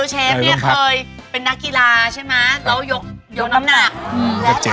เทพเนี้ยเคยเป็นนักกีฬาใช่มะ